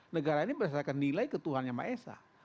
negara ini berdasarkan nilai ke tuhan yang maha esa